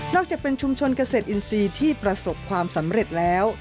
จากเป็นชุมชนเกษตรอินทรีย์ที่ประสบความสำเร็จแล้ว